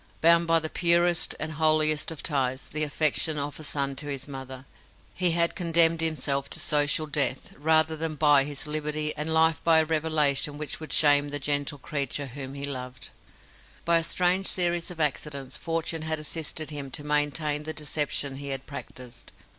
Bound by the purest and holiest of ties the affection of a son to his mother he had condemned himself to social death, rather than buy his liberty and life by a revelation which would shame the gentle creature whom he loved. By a strange series of accidents, fortune had assisted him to maintain the deception he had practised.